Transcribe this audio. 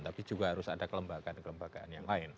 tapi juga harus ada kelembagaan kelembagaan yang lain